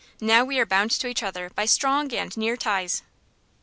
Now we are bound to each other by strong and near ties."